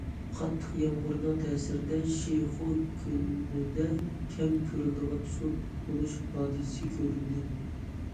قاتتىق يامغۇرنىڭ تەسىرىدە، شىخۇ كۆلىدە كەم كۆرۈلىدىغان سۇ تولۇش ھادىسىسى كۆرۈلدى.